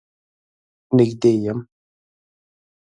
نږدې يم.